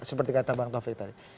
seperti kata bang taufik tadi